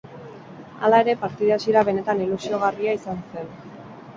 Hala ere, partida hasiera benetan ilusiogarria izan zen.